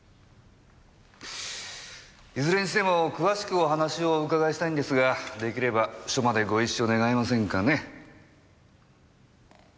いずれにしても詳しくお話をお伺いしたいんですができれば署までご一緒願えませんかね？